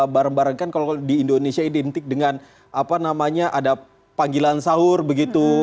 bareng bareng kan kalau di indonesia identik dengan apa namanya ada panggilan sahur begitu